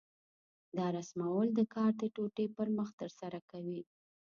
دا رسمول د کار د ټوټې پر مخ ترسره کېږي.